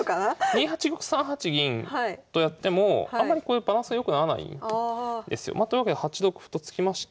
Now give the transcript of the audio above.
２八玉３八銀とやってもあんまりバランスは良くならないんですよ。というわけで８六歩と突きまして。